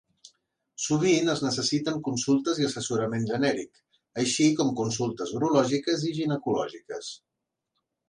Sovint es necessiten consultes i assessorament genèric, així com consultes urològiques i ginecològiques.